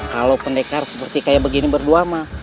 kalau pendekar seperti kayak begini berdua mah